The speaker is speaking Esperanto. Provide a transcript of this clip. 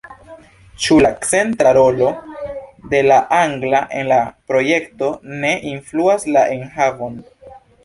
Ĉu la centra rolo de la angla en la projekto ne influas la enhavon?